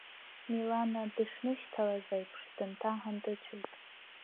Милана дышнышьҭалаз аиԥш дынҭаҳан дыцәеит.